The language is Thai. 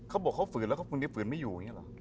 เขาบอกเขาฝืนแล้วก็พรุ่งนี้ฝืนไม่อยู่อย่างนี้หรอ